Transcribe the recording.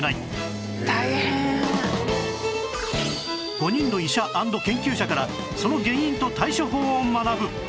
５人の医者＆研究者からその原因と対処法を学ぶ